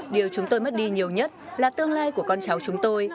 điều chúng tôi mất đi nhiều nhất là tương lai của con cháu chúng tôi